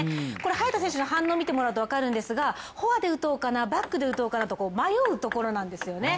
早田選手の反応を見てもらうと分かるんですがフォアで打とうかな、バックで打とうかな、と迷うところなんですね。